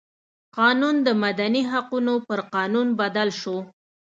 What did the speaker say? قانون د مدني حقونو پر قانون بدل شو.